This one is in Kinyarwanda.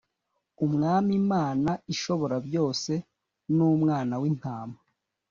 Umwami Imana Ishoborabyose n Umwana w Intama